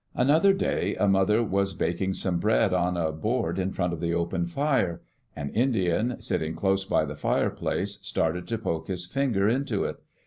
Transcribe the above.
Another day, a mother was baking some bread on a board in front of the open fire. An Indian, sitting close by the fireplace, started to poke his finger into it.